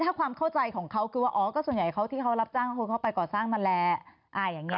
ถ้าความเข้าใจของเขาคือว่าอ๋อก็ส่วนใหญ่เขาที่เขารับจ้างเข้าไปก่อสร้างมันแหละ